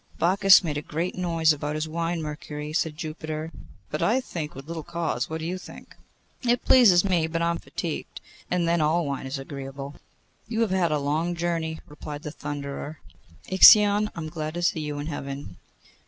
'Bacchus made a great noise about this wine, Mercury,' said Jupiter,' but I think with little cause. What think you?' 'It pleases me, but I am fatigued, and then all wine is agreeable.' 'You have had a long journey,' replied the Thunderer. 'Ixion, I am glad to see you in Heaven.